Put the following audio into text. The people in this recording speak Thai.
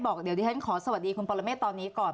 บอกเดี๋ยวดิฉันขอสวัสดีคุณปรเมฆตอนนี้ก่อน